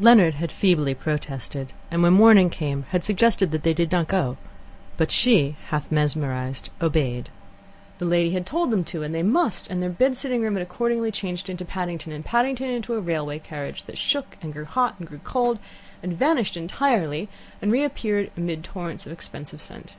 Leonard had feebly protested, and when the morning came, had suggested that they shouldn't go. But she, half mesmerized, had obeyed. The lady had told them to, and they must, and their bed sitting room had accordingly changed into Paddington, and Paddington into a railway carriage, that shook, and grew hot, and grew cold, and vanished entirely, and reappeared amid torrents of expensive scent.